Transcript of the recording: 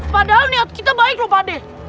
padahal niat kita baik loh pak deh